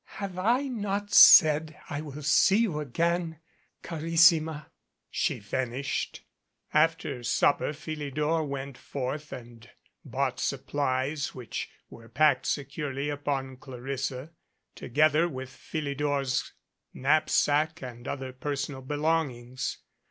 "Have I not said I will see you again, carissima?" she finished. After supper Philidor went forth and bought supplies which were packed securely upon Clarissa, together with Philidor's knapsack and other personal belongings.